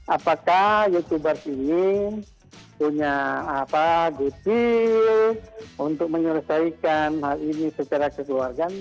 apakah youtubers ini punya detail untuk menyelesaikan hal ini secara kekeluargaan